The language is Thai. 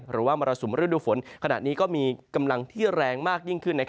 หรือว่ามรสุมฤดูฝนขณะนี้ก็มีกำลังที่แรงมากยิ่งขึ้น